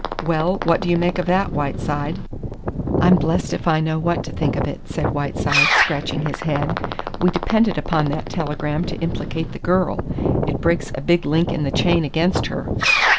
"Well, what do you make of that, Whiteside?" "I'm blest if I know what to think of it," said Whiteside, scratching his head. "We depended upon that telegram to implicate the girl. It breaks a big link in the chain against her."